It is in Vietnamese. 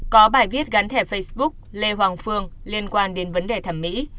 có bài viết gắn thẻ facebook lê hoàng phương liên quan đến vấn đề thẩm mỹ